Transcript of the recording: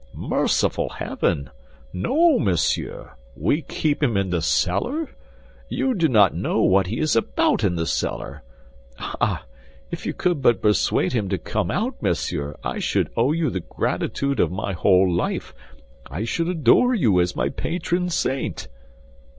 "Merciful heaven! No, monsieur! We keep him in the cellar! You do not know what he is about in the cellar. Ah! If you could but persuade him to come out, monsieur, I should owe you the gratitude of my whole life; I should adore you as my patron saint!"